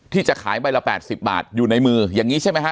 ที่จะขายใบละ๘๐บาทอยู่ในมืออย่างนี้ใช่ไหมฮะ